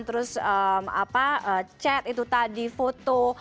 terus chat itu tadi foto